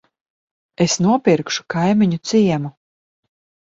Es nopirkšu kaimiņu ciemu.